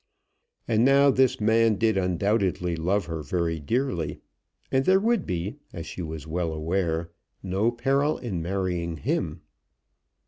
And now this man did undoubtedly love her very dearly, and there would be, as she was well aware, no peril in marrying him.